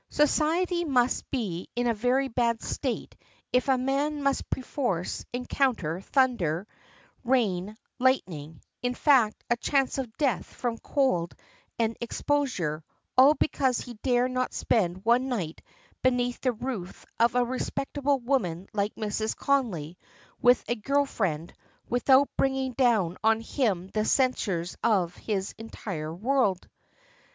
"Society must be in a very bad state if a man must perforce encounter thunder, rain, lightning; in fact, a chance of death from cold and exposure, all because he dare not spend one night beneath the roof of a respectable woman like Mrs. Connolly, with a girl friend, without bringing down on him the censures of his entire world."